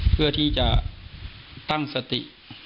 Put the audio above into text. เพื่อที่จะตั้งสติ